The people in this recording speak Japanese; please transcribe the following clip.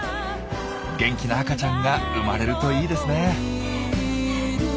元気な赤ちゃんが生まれるといいですね。